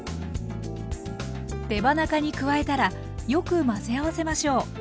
手羽中に加えたらよく混ぜ合わせましょう。